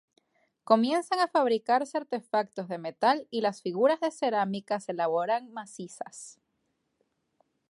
Comienzan a fabricarse artefactos de metal y las figuras de cerámica se elaboran macizas.